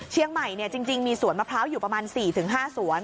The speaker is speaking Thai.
เชียงใหม่จริงมีสวนมะพร้าวอยู่ประมาณ๔๕สวน